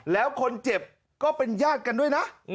แล้วคนเจ็บก็เป็นญาติกันด้วยนะ